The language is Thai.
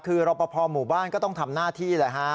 คือรอปภหมู่บ้านก็ต้องทำหน้าที่แหละฮะ